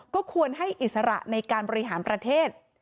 ก็ควรให้อิสระในการบริหารประเทศ